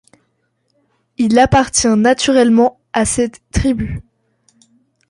Il appartient naturellement à cette tribu.